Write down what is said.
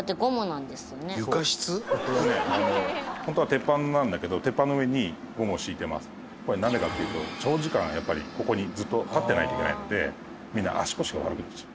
ホントは鉄板なんだけどこれなんでかっていうと長時間やっぱりここにずっと立ってないといけないのでみんな足腰が悪くなるんですよ。